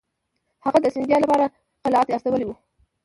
هغه د سیندیا لپاره خلعت استولی وو.